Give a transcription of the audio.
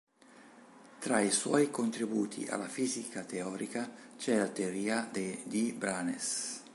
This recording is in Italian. Tra i suoi contributi alla fisica teorica c'è la teoria dei D-branes.